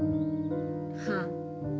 はあ。